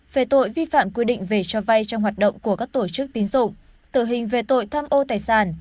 về tội vi phạm quy định về cho vay trong hoạt động của các tổ chức tín dụng tử hình về tội tham ô tài sản